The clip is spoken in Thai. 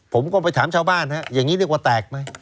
ผมก็ไปถามชาวบ้านฮะอย่างนี้เรียกว่าแตกไหม